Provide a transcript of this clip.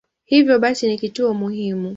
Hivyo basi ni kituo muhimu.